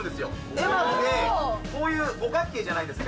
絵馬ってこういう五角形じゃないですか